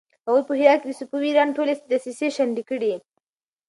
هغوی په هرات کې د صفوي ایران ټولې دسيسې شنډې کړې.